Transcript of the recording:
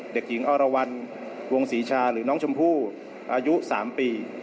เด็กหญิงอรวรรณวงศรีชาหรือน้องชมพู่อายุ๓ปี